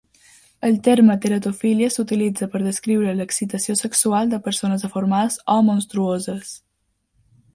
El terme "teratofília" s'utilitza per descriure l'excitació sexual de persones deformades o monstruoses.